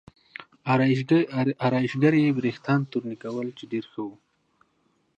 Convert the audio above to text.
ارایشګرې یې وریښتان تورنۍ کول چې ډېر ښه و.